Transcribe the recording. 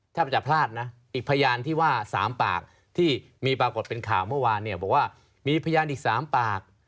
ถ้าจะพลาดนะอีกพยานที่ว่า๓ปากที่มีปรากฏเป็นข่าวเมื่อวานเนี่ยบอกว่ามีพยานอีก๓ปาก